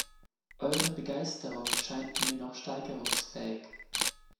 Eure Begeisterung scheint mir noch steigerungsfähig.